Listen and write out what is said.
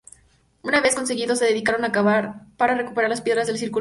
Una vez conseguido, se dedicaron a cavar para recuperar las piedras del círculo central.